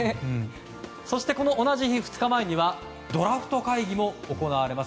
そして、同じ日の２日前にはドラフト会議も行われます。